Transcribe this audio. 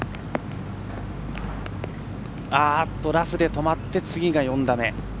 ラフで止まって、次が４打目。